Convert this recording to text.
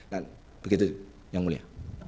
dan begitu yang mulia